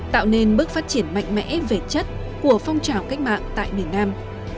tạo nên bước phát triển mạnh mẽ về chất của phong trào cách mạng tại miền nam